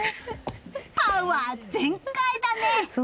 パワー全開だね！